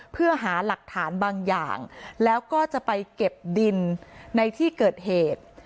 เพื่อหาหลักฐานบางอย่างแล้วก็จะไปเก็บดินในที่เกิดเหตุ